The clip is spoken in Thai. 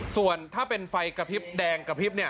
ส่วนถ้าเป็นไฟกระพริบแดงกระพริบเนี่ย